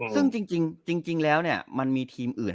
ซึ่งจริงแล้วมันมีทีมอื่น